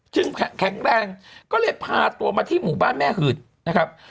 แข็งแรงก็เลยพาตัวมาที่หมู่บ้านแม่หืดนะครับ